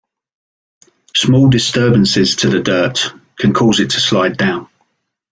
Small disturbances to the dirt can cause it to slide down.